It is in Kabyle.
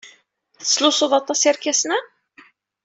Tettlusuḍ aṭas irkasen-a?